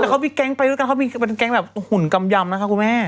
แต่เขามีแก๊งไปด้วยกันเขามีเป็นแก๊งแบบหุ่นกำยำนะคะคุณแม่